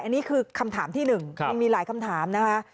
อันนี้คือคำถามที่หนึ่งมันมีหลายคำถามนะคะ